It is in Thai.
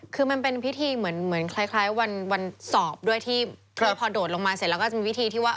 คือมันเป็นพิธีเหมือนคล้ายวันสอบด้วยที่พอโดดลงมาเสร็จแล้วก็จะมีวิธีที่ว่า